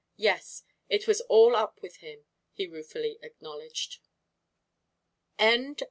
Yes, it was all up with him, he ruefully acknowledged.